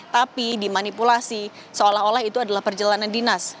tapi dimanipulasi seolah olah itu adalah perjalanan dinas